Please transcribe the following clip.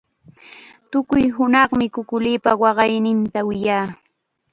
Tukuy hunaqmi kukulipa waqayninta wiyaa.